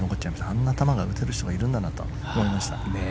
あんな球が打てる人がいるんだなと思いました。